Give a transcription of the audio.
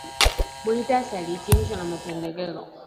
Muhatasari, hitmisho na mapendekezo